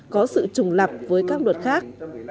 các luật khác